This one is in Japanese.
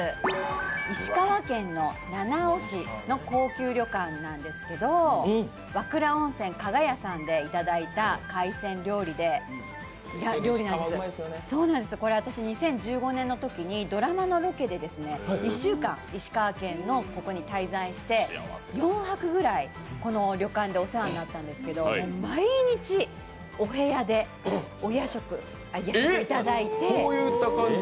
石川県の七尾市の高級旅館なんでけど、和倉温泉加賀屋さんでいただいた海鮮料理なんですけど私２０１５年のときにドラマのロケで１週間、石川県のここに滞在して４泊ぐらいこの旅館でお世話になったんですけど、毎日お部屋でお夜食、いただいて。